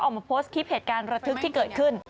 ออกมาโพสต์คลิปเหตุการณ์ระทึกที่เกิดขึ้น